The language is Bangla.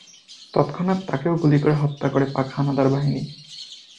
তৎক্ষণাৎ তাকেও গুলি করে হত্যা করে পাক হানাদার বাহিনী।